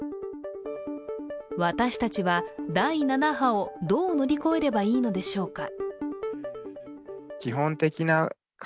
私達は、第７波をどう乗り越えればいいのでしょうか？